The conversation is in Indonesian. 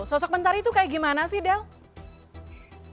sosok mentari itu kayak gimana sih del